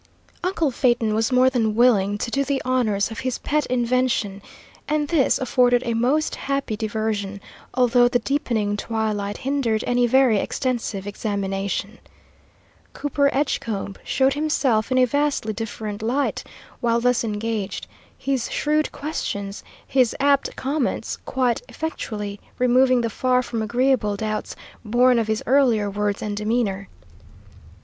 Uncle Phaeton was more than willing to do the honours of his pet invention, and this afforded a most happy diversion, although the deepening twilight hindered any very extensive examination. Cooper Edgecombe showed himself in a vastly different light while thus engaged, his shrewd questions, his apt comments, quite effectually removing the far from agreeable doubts born of his earlier words and demeanour.